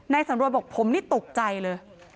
สำรวยบอกผมนี่ตกใจเลย